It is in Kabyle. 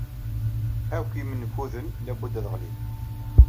Akk imenkuden labudd ad ɣlin.